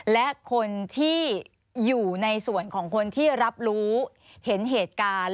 และคนที่อยู่ในส่วนของคนที่รับรู้เห็นเหตุการณ์